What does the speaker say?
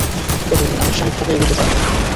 তবেই আনুষ্ঠানিকভাবে এগোতে পারব।